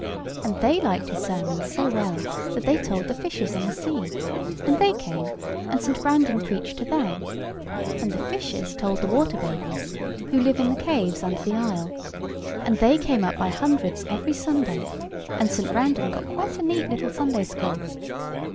And they liked his sermons so well that they told the fishes in the sea; and they came, and St. Brandan preached to them; and the fishes told the water babies, who live in the caves under the isle; and they came up by hundreds every Sunday, and St. Brandan got quite a neat little Sunday school.